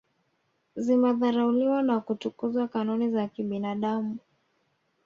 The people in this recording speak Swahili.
zimedharauliwa na kutukuza kanuni za kibinadamu